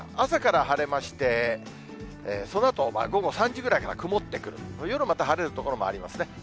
朝から晴れまして、そのあと午後３時ぐらいから曇ってくる、夜また晴れる所もありますね。